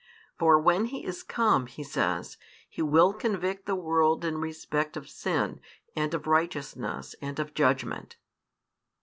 For when He is come, He says, He will convict the world in respect of sin, and of righteousness, and of judgment.